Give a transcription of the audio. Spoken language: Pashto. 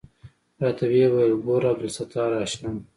راته ويې ويل ګوره عبدالستاره اشنا.